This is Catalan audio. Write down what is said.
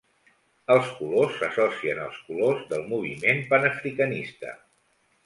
Els colors s'associen al colors del moviment panafricanista.